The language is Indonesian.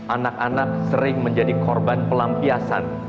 anak anak sering menjadi korban pelampiasan